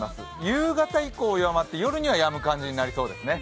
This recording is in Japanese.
夕方以降、弱まって夜にはやむ感じになりそうですね。